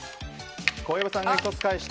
小籔さんが１つ返した。